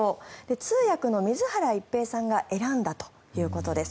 通訳の水原一平さんが選んだということです。